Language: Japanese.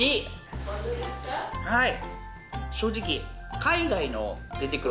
はい！